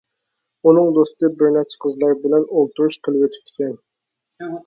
ئۇنىڭ دوستى بىر نەچچە قىزلار بىلەن ئولتۇرۇش قىلىۋېتىپتىكەن.